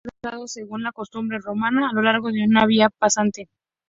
Fue enterrado, según la costumbre romana, a lo largo de una via pasante.